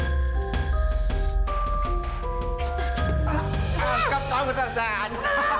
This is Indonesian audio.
aku mau nangkep kamu tarzan